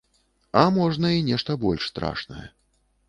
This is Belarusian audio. А можна і нешта больш страшнае.